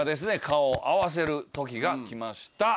顔を合わせる時がきました。